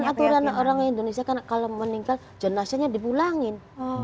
aturan orang indonesia kan kalau meninggal jenazahnya dipulangin